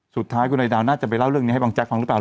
สุดท้ายคุณไอดาวน่าจะไปเล่าเรื่องนี้ให้บางแก๊ฟังหรือเปล่า